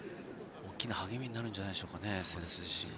大きな励みになるんじゃないでしょうか。